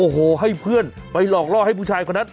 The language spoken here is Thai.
โอ้โหให้เพื่อนไปหลอกล่อให้ผู้ชายคนนั้น